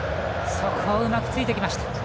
そこをうまく突いてきました。